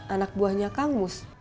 anak buahnya kang mus